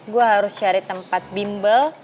gue harus cari tempat bimbel